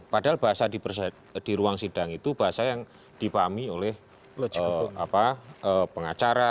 padahal bahasa di ruang sidang itu bahasa yang dipahami oleh pengacara